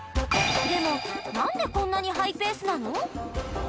でも何でこんなにハイペースなの？